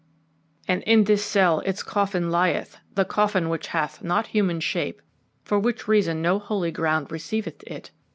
"And in this cell its coffin lieth, the coffin which hath not human shape, for which reason no holy ground receiveth it.